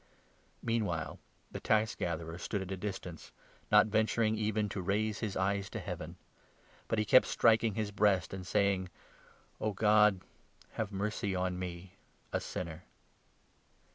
Meanwhile the tax gatherer stood at a distance, not ventur 13 ing even ' to raise his eyes to Heaven '; but he kept striking his breast and saying 'O God, have mercy on me, a sinner.'